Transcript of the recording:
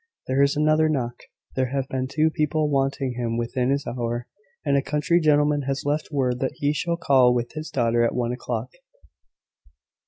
There is another knock. There have been two people wanting him within this hour; and a country gentleman has left word that he shall call with his daughter at one o'clock."